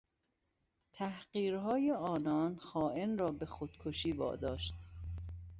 تحقیرهای آنان خائن را به خودکشی واداشت.